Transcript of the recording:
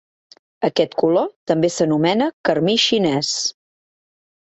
Aquest color també s'anomena carmí xinès.